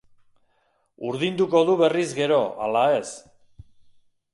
Urdinduko du berriz gero ala ez.